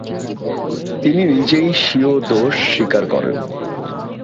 তিনি নিজেই স্বীয় দোষ স্বীকার করেন।